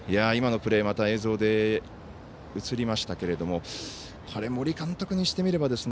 今のプレー映像で映りましたけれども森監督にしてみれば